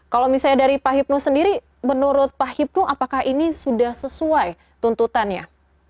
kalau misalnya dari pak hipnu sendiri menurut pak hipnu apakah ini sudah sesuai tuntutannya